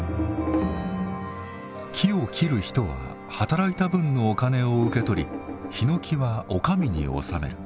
木を切る人は働いた分のお金を受け取りひのきはお上に納める。